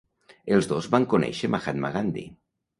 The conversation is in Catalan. Els dos van conèixer Mahatma Gandhi.